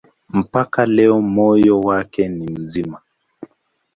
Mpaka leo moyo wake ni mzima.